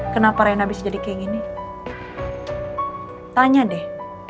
kenapa reina bisa jadi kayak gini tanya deh